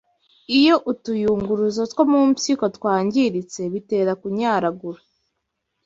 Iyo utuyunguruzo two mu mpyiko twangiritse bitera kunyaragura